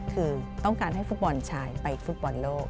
คือต้องการให้ฟุตบอลชายไปฟุตบอลโลก